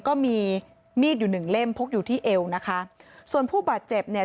ก็มีมีดอยู่หนึ่งเล่มพกอยู่ที่เอวนะคะส่วนผู้บาดเจ็บเนี่ย